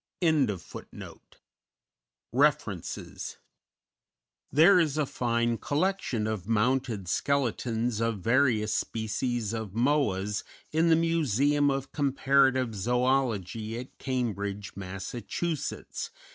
_ REFERENCES _There is a fine collection of mounted skeletons of various species of Moas in the Museum of Comparative Zoology at Cambridge, Mass.